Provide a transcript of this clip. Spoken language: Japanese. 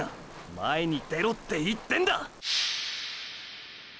前に出ろ！！って言ってんだ！！